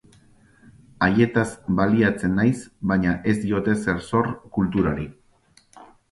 Haietaz baliatzen naiz, baina ez diot ezer zor kulturari.